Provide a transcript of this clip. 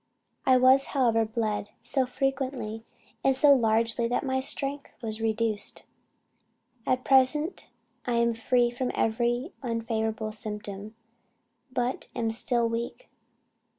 I was however bled so frequently and so largely that my strength was quite reduced. At present I am free from every unfavorable symptom, but am still weak.